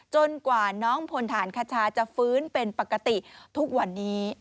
กว่าน้องพลฐานคชาจะฟื้นเป็นปกติทุกวันนี้